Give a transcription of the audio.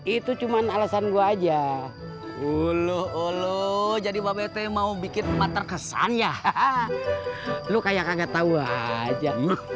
itu cuma alasan gua aja uluh jadi mau bikin terkesan ya lu kayak kaget tau aja